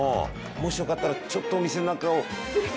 もしよかったらちょっとお店の中を。